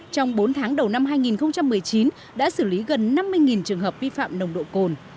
trong bốn tháng đầu năm hai nghìn một mươi chín đã xử lý gần năm mươi trường hợp vi phạm nồng độ cồn